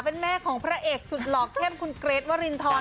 เป็นแม่ของพระเอกสุดหล่อเข้มคุณเกรทวรินทร